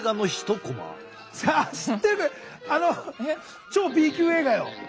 あの超Ｂ級映画よ。